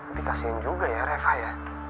tapi kasihan juga ya reva ya